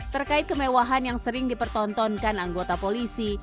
terkait kemewahan yang sering dipertontonkan anggota polisi